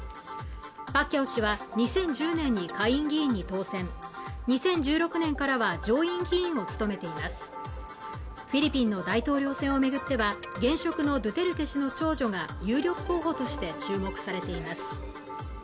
パッキャオ氏は２０１０年に下院議員に当選２０１６年からは上院議員を務めていますフィリピンの大統領選をめぐっては現職のドゥテルテ氏の長女が有力候補として注目されています